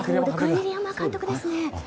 栗山監督ですね！